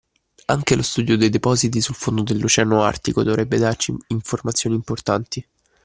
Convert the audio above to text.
Anche lo studio dei depositi sul fondo dell’Oceano Artico dovrebbe darci informazioni importanti